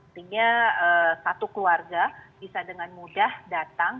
sehingga satu keluarga bisa dengan mudah datang